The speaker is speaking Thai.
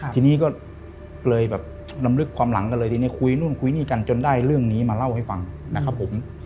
ทีนี้ก็เลยแบบลำลึกความหลังกันเลยทีนี้คุยนู่นคุยนี่กันจนได้เรื่องนี้มาเล่าให้ฟังนะครับผม